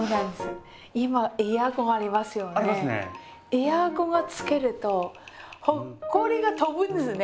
エアコンつけるとほこりが飛ぶんですね。